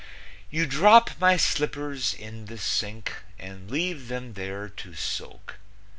You drop my slippers in the sink And leave them there to soak.